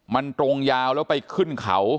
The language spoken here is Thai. มันตรงยาวแล้วไปขึ้นเขา